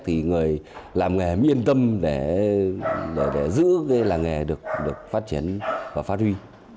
thì người làm nghề yên tâm để giữ cái làng nghề được phát triển và phát huy